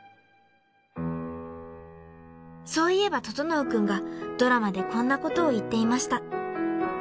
［そういえば整君がドラマでこんなことを言っていました］